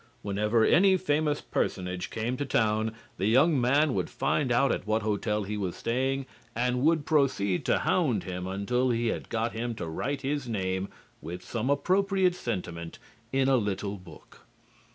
Whenever any famous personage came to town the young man would find out at what hotel he was staying and would proceed to hound him until he had got him to write his name, with some appropriate sentiment, in a little book.